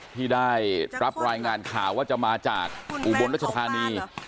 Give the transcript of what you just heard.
ที่ได้รับรายงานข่าวว่าจะมาจากอุบลรัชธานี